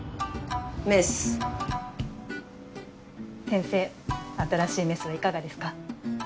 先生新しいメスはいかがですか？